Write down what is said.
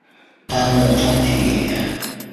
担任川剧演员。